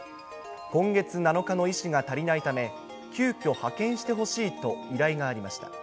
今月７日の医師が足りないため、急きょ派遣してほしいと依頼がありました。